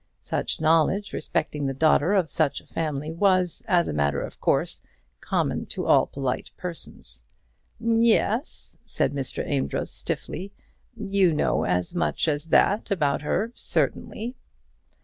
Such knowledge respecting the daughter of such a family was, as a matter of course, common to all polite persons. "Yes," said Mr. Amedroz, stiffly: "you know as much as that about her, certainly."